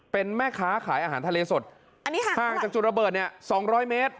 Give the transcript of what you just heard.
เป็นแม่ค้าขายอาหารทะเลสดอันนี้ห่างจากจุดระเบิดเนี่ยสองร้อยเมตร